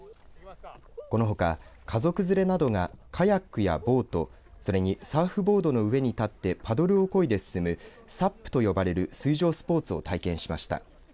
このほか、家族連れなどがカヤックやボートそれにサーフボードの上に立ってパドルをこいで進むＳＵＰと呼ばれる水上スポーツを体験しました。